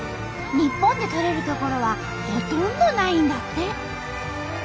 日本で採れる所はほとんどないんだって。